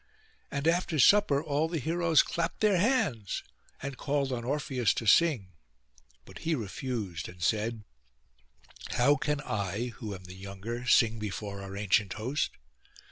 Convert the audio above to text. And after supper all the heroes clapped their hands, and called on Orpheus to sing; but he refused, and said, 'How can I, who am the younger, sing before our ancient host?